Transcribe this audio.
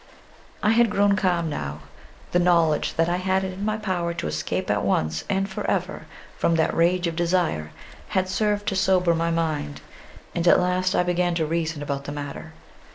I had grown calm now: the knowledge that I had it in my power to escape at once and for eyer from that rage of desire, had served to sober my mind, and at last I began to reason about the matter.